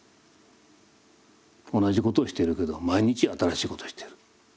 同じことをしているけど毎日新しいことをしてる。